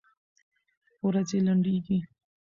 ورځي لنډيږي